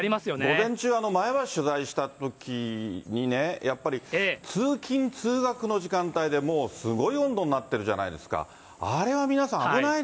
午前中、前橋取材したときにね、やっぱり通勤・通学の時間帯で、もうすごい温度になってるじゃないですか。